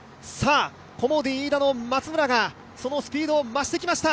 コモディイイダの松村がスピードを増してきました。